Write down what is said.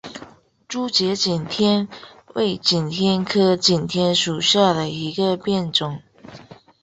珠节景天为景天科景天属下的一个变种。